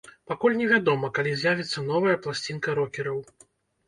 Пакуль не вядома, калі з'явіцца новая пласцінка рокераў.